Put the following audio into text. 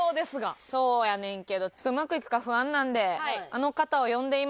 そうやねんけどちょっとうまくいくか不安なのであの方を呼んでいます。